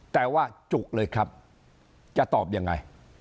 แต่ว่าจุเลยครับจะตอบยังไง